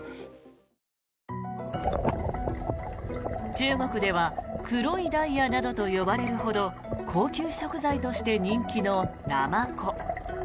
中国では黒いダイヤなどと呼ばれるほど高級食材として人気のナマコ。